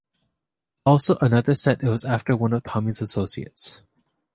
Also another said it was after one of Tommy's associates.